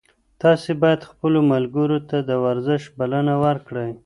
تاسي باید خپلو ملګرو ته د ورزش بلنه ورکړئ.